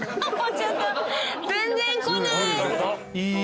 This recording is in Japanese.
全然来ない。